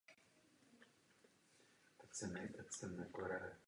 Stavba rozpoutala veřejnou diskuzi o architektuře v Praze.